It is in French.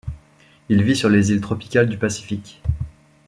Il vit sur les îles tropicales du Pacifique.